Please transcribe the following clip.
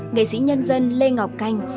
nghệ sĩ nhân dân lê ngọc canh